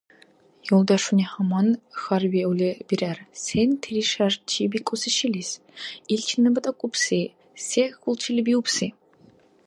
Юлдашунани гьаман хьарбиули бирар: сен Тиришарчи бикӀуси шилис? Ил чинабад акӀубси? Се хьулчили биубси?